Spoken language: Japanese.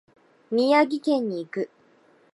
宮城県に行く。